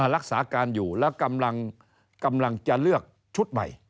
รักษาการอยู่แล้วกำลังจะเลือกชุดใหม่